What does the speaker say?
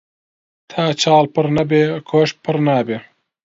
تا چاڵ پڕ نەبێ کۆش پڕ نابێ